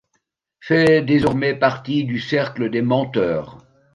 Fait désormais partie du Cercle des Menteurs.